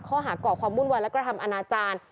ข้อหาก่อความวุ่นวายและกระทำอนาจารย์